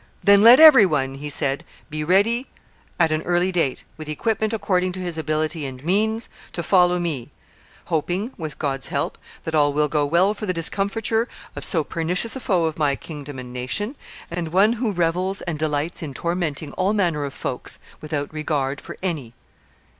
"Then let every one," he said, "be ready at an early date, with equipment according to his ability and means, to follow me; hoping, with God's help, that all will go well for the discomfiture of so pernicious a foe of my kingdom and nation, and one who revels and delights in tormenting all manner of folks, without regard for any."